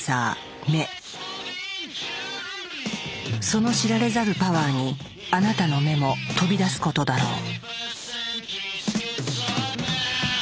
その知られざるパワーにあなたの目も飛び出すことだろう。